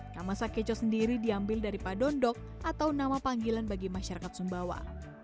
nama sakeco sendiri diambil dari padondok atau nama panggilan bagi masyarakat sumbawa